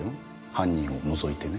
犯人を除いてね。